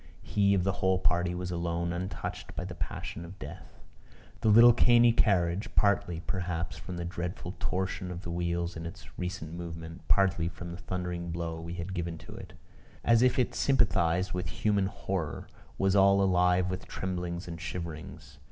He of the whole party was alone untouched by the passion of death. The little cany carriage partly perhaps from the dreadful torsion of the wheels in its recent movement, partly from the thundering blow we had given to it as if it sympathized with human horror, was all alive with tremblings and shiverings.